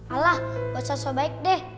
alah gak usah sobaik deh